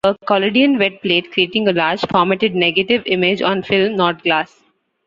A collodion wet plate, creating a large formatted negative image on film not glass.